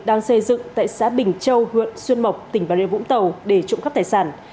đang xây dựng tại xã bình châu huyện xuân mộc tỉnh bà rịa vũng tàu để trụng khắp tài sản